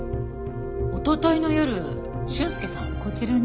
おとといの夜俊介さんはこちらに？